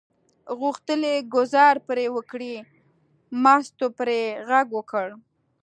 غوښتل یې ګوزار پرې وکړي، مستو پرې غږ وکړ.